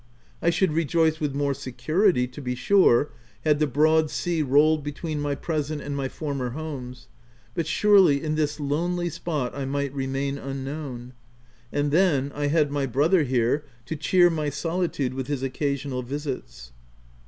I should rejoice with more security, to be sure, had the broad sea rolled between my present and my former homes, but surely in this lonely spot I might remain unknown ; and then, I had my brother here to cheer my solitude with his oc casional visits.